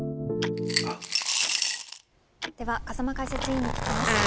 風間解説委員に聞きます。